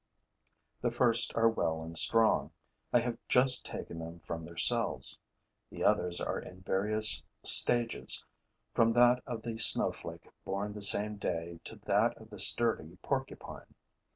The first are well and strong; I have just taken them from their cells. The others are in various stages, from that of the snowflake born the same day to that of the sturdy porcupine.